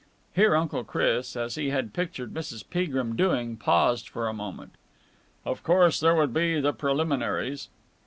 Here Uncle Chris, as he had pictured Mrs. Peagrim doing, paused for a moment. "Of course, there would be the preliminaries."